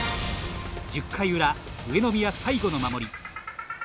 １０回裏、上宮最後の守り。